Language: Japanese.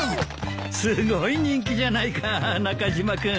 すごい人気じゃないか中島君。